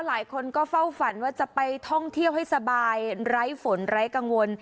หลายคนก็เฝ้าฝันว่าจะไปท่องเที่ยวให้สบายไร้ฝนไร้กังวล